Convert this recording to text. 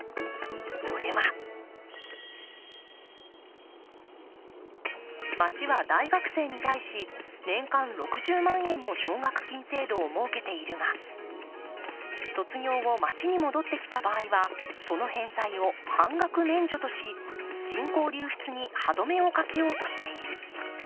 それは、町は大学生に対し、年間６０万円の奨学金制度を設けているが、卒業後町に戻ってきた場合はその返済を半額免除とし、人口流出に歯止めをかけようとしている。